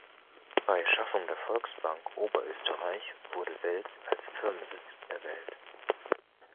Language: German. Bei Schaffung der Volksbank Oberösterreich wurde Wels als Firmensitz erwählt.